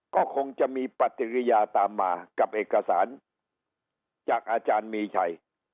ก็คงจะมีปฏิกิริยาตามมากับเอกสารจากอาจารย์มีชัย